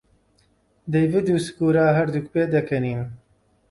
دەیڤد و سکورا هەردووک پێدەکەنین.